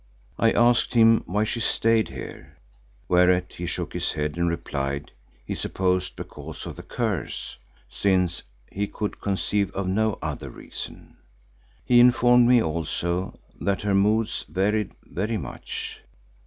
I asked him why she stayed here, whereat he shook his head and replied, he supposed because of the "curse," since he could conceive of no other reason. He informed me also that her moods varied very much.